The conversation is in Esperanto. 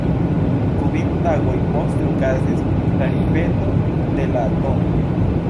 Kvin tagoj poste okazis la ripeto de la tn.